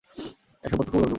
S, প্রত্যক্ষ উপলব্ধি কর।